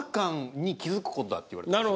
って言われたんです。